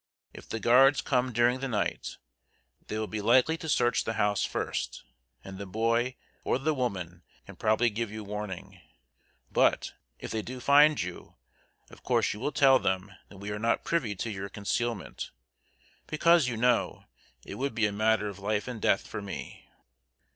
If the Guards come during the night, they will be likely to search the house first, and the boy or the woman can probably give you warning. But, if they do find you, of course you will tell them that we are not privy to your concealment, because, you know, it would be a matter of life and death for me."